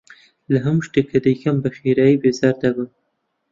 لە هەموو شتێک کە دەیکەم بەخێرایی بێزار دەبم.